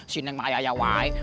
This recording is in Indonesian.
sineng mah ayah ayah wae